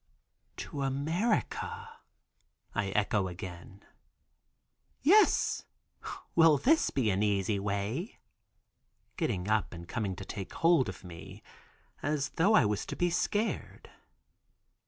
"To America!" I echo again. "Yes, will this be an easy way?" getting up and coming to take hold of me, as though I was to be scared.